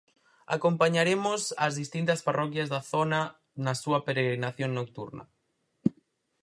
Acompañaremos as distintas parroquias da zona na súa peregrinación nocturna.